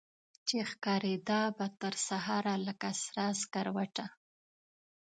چي ښکاریده به ترسهاره لکه سره سکروټه